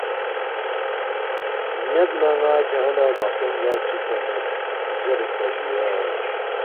مید نہ ن٘ا کھیانگ لہ بخستون گوا چُوکپا مید“ زیریدپا جُویا